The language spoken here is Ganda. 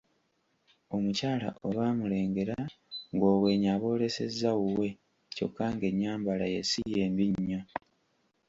Omukyala olwamulengera ng'obwenyi abwolesezza wuwe kyokka ng'ennyambala ye si ye mbi nnyo.